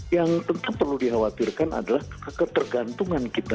yang tentu perlu dikhawatirkan adalah ketergantungan kita